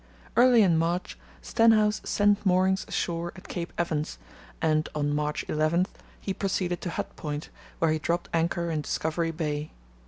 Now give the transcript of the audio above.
Early in March Stenhouse sent moorings ashore at Cape Evans, and on March 11 he proceeded to Hut Point, where he dropped anchor in Discovery Bay.